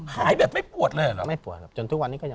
หายแบบไม่ปวดเลยหรือ